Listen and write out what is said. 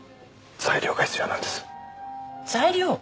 材料？